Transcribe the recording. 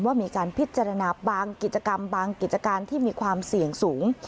ว่ามีการพิจารณาบางกิจกรรมบางกิจการที่มีความเสี่ยงสูง